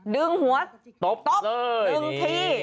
ดึงหัวตบดึงที